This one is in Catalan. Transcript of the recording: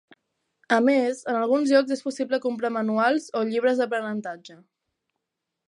A més, en alguns llocs és possible comprar manuals o llibres d'aprenentatge.